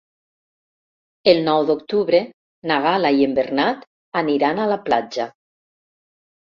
El nou d'octubre na Gal·la i en Bernat aniran a la platja.